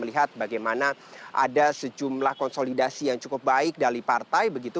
melihat bagaimana ada sejumlah konsolidasi yang cukup baik dari partai begitu